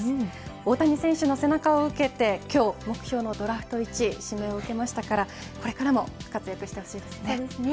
大谷選手の背中を受けて今日、目標のドラフト１位指名を受けましたからこれからも活躍してほしいですね。